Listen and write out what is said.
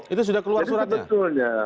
itu sudah keluar suratnya